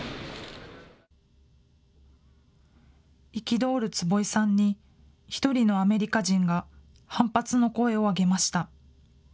憤る坪井さんに、一人のアメリカ人が反発の声を上げました。